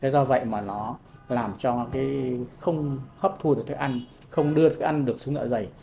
do vậy mà nó làm cho không hấp thu được thức ăn không đưa thức ăn được xuống dạ dày